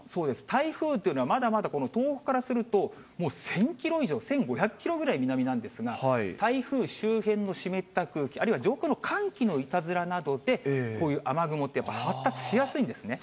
台風というのは、まだまだこの東北からすると、もう１０００キロ以上、１５００キロぐらい南なんですが、台風周辺の湿った空気、あるいは上空の寒気のいたずらなどで、こういう雨雲って、やっぱそうなんですね。